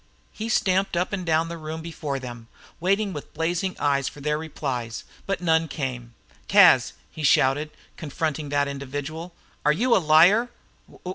He stamped up and down the room before them, waiting with blazing eyes for their replies, but none came. "Cas!" he shouted, confronting that individual. "Are you a liar?"